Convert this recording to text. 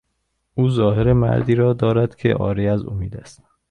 او ظاهر مردی را دارد که عاری از امید است.